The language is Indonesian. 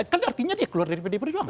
kan artinya dia keluar dari pdi perjuangan